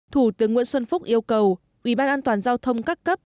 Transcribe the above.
thủ tướng nguyễn xuân phúc yêu cầu ubnd các cấp